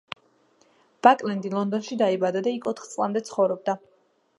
ბაკლენდი ლონდონში დაიბადა და იქ ოთხ წლამდე ცხოვრობდა.